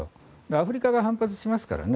アフリカが反発しますからね